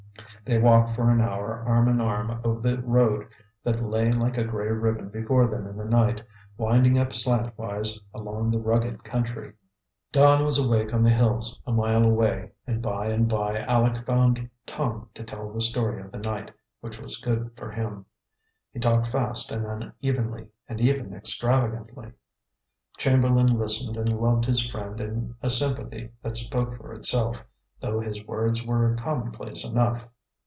They walked for an hour arm in arm over the road that lay like a gray ribbon before them in the night, winding up slantwise along the rugged country. Dawn was awake on the hills a mile away, and by and by Aleck found tongue to tell the story of the night, which was good for him. He talked fast and unevenly, and even extravagantly. Chamberlain listened and loved his friend in a sympathy that spoke for itself, though his words were commonplace enough.